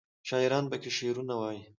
شاعران پکې شعرونه وايي.